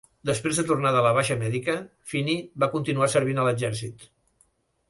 Després de tornar de la baixa mèdica, Finney va continuar servint a l'exèrcit.